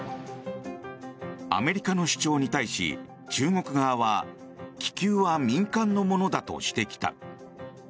アメリカの主張に対し中国側は気球は民間のものだとしてきた。